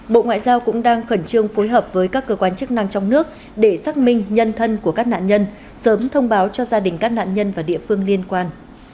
bộ ngoại giao cũng đang khẩn trương phối hợp với các cơ quan chức năng trong nước để xác minh nhân thân của các nạn nhân sớm thông báo cho gia đình các nạn nhân và địa phương liên quan